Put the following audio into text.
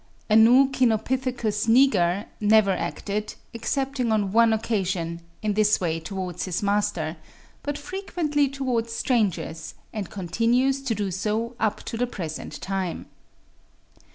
A young Cynopithecus niger never acted, excepting on one occasion, in this way towards his master, but frequently towards strangers, and continues to do so up to the present time.